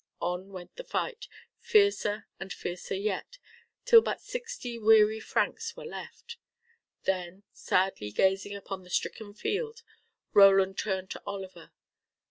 On went the fight, fiercer and fiercer yet, till but sixty weary Franks were left. Then, sadly gazing upon the stricken field, Roland turned to Oliver.